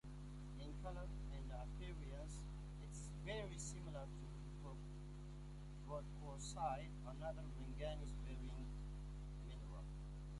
In color and appearance, it is very similar to rhodocrosite, another manganese bearing mineral.